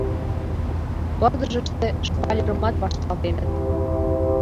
Пырдыжыште шпалерымат вашталтеныт.